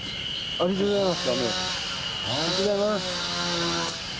ありがとうございます。